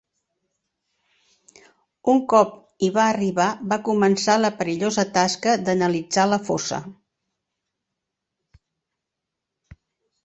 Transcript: Un cop hi va arribar va començar la perillosa tasca d'analitzar la fossa.